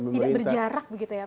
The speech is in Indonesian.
tidak berjarak begitu ya